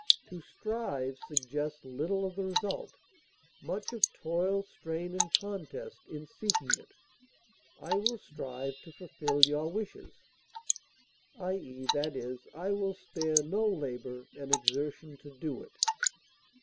To strive suggests little of the result, much of toil, strain, and contest, in seeking it; I will strive to fulfil your wishes, i. e., I will spare no labor and exertion to do it.